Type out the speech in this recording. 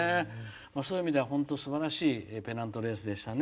そういう意味では本当にすばらしいペナントレースでしたね。